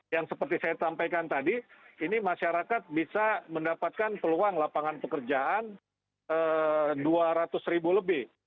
yang seperti saya sampaikan tadi ini masyarakat bisa mendapatkan peluang lapangan pekerjaan dua ratus ribu lebih